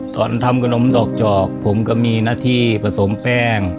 ทำขนมดอกจอกผมก็มีหน้าที่ผสมแป้ง